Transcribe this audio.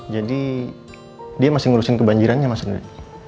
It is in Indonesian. jadi dia masih ngurusin kebanjirannya mas rendy